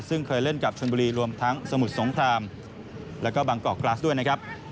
ซึ่งเคยเล่นกับชนบุรีรวมทั้งสมุทรสงครามแล้วก็บางกอกกราสด้วยนะครับ